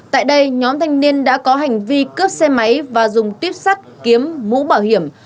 tại đây nhóm thanh niên đã có hành vi cướp xe máy và dùng tuyếp sắt kiếm mũ bảo hiểm